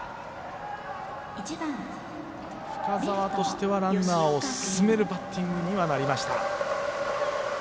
深沢としてはランナーを進めるバッティングにはなりました。